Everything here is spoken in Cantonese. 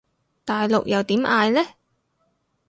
大陸又點嗌呢？